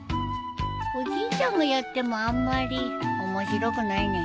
おじいちゃんがやってもあんまり面白くないね。